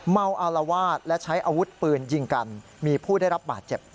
อารวาสและใช้อาวุธปืนยิงกันมีผู้ได้รับบาดเจ็บ